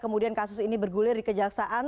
kemudian kasus ini bergulir di kejaksaan